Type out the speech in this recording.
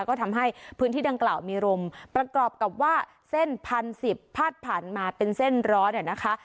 ก็ทำให้พื้นที่ดังกล่าวมีลมประกอบกับว่าเส้น๑๐๑๐พาดผ่านมาเป็นเส้นร้อนนะคะ